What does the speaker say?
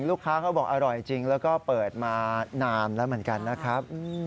ลูกค้าพูดว่าอร่อยจริงแล้วก็เปิดมานามแล้วเหมือนกันนะครับ